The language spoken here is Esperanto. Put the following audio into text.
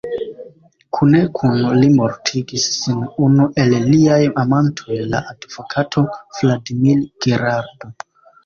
Kune kun li mortigis sin unu el liaj amantoj, la advokato Vladimir Gerard.